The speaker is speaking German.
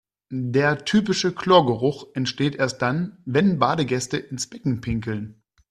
Der typische Chlorgeruch entsteht erst dann, wenn Badegäste ins Becken pinkeln.